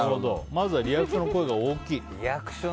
まずリアクションの声が大きい。